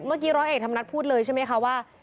เมื่อกี้ร้อยเอกธรรมนัฐพูดเลยใช่ไหมคะว่า